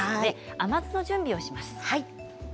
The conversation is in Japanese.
甘酢の準備をします。